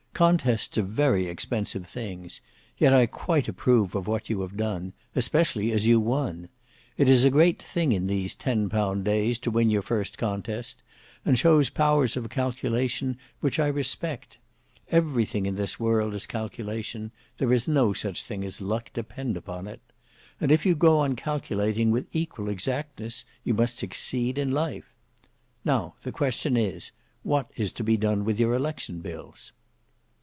Contests are very expensive things, yet I quite approve of what you have done, especially as you won. It is a great thing in these ten pound days to win your first contest, and shows powers of calculation which I respect. Everything in this world is calculation; there is no such thing as luck, depend upon it; and if you go on calculating with equal exactness, you must succeed in life. Now the question is, what is to be done with your election bills?"